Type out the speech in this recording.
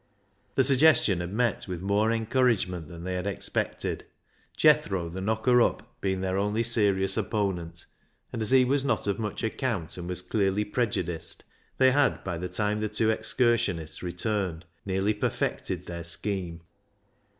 The suggestion had met with more encouragement than they had 334 BECKSIDE LIGHTS expected — Jethro, the knocker up, being their only serious opponent ; and, as he was not of much account, and was clearly prejudiced, they had, by the time the two excursionists returned, nearly perfected their scheme.